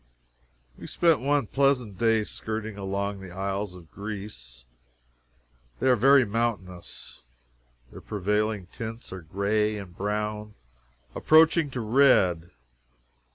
We spent one pleasant day skirting along the Isles of Greece. They are very mountainous. Their prevailing tints are gray and brown, approaching to red.